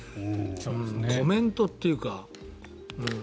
コメントっていうか